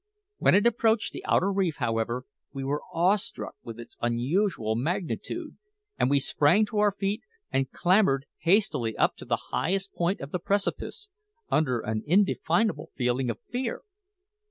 When it approached the outer reef, however, we were awestruck with its unusual magnitude; and we sprang to our feet, and clambered hastily up to the highest point of the precipice, under an indefinable feeling of fear.